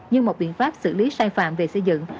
như một biện pháp xử lý sai phạm về xây dựng